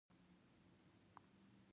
د پسرلي په موسم کې کلى ډېر ښايسته شي.